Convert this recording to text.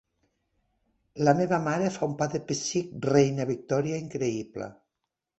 La meva mare fa un pa de pessic Reina Victòria increïble.